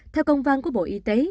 theo công văn của bộ y tế